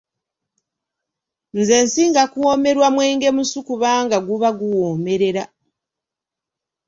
Nze nsinga kuwoomerwa mwenge musu kubanga guba guwoomerera.